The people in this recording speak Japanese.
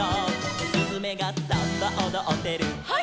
「すずめがサンバおどってる」「ハイ！」